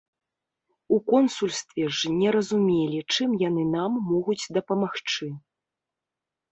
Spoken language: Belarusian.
У консульстве ж не разумелі, чым яны нам могуць дапамагчы.